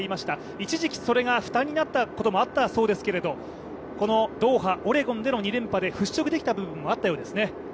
一時期それが負担になったこともあるそうですけどこのドーハ、オレゴンの２連覇で払拭できた部分もあったようですね。